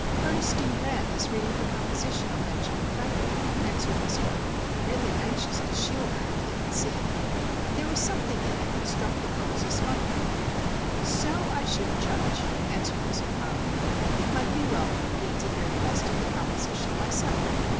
"Ernestine Graham is reading her composition on Benjamin Franklin," answered Miss Horton, really anxious to shield Ernie, it would seem. "There was something in it that struck the girls as funny." "So I should judge," answered Miss O'Connell. "It might be well for me to hear the rest of the composition myself.